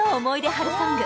春ソング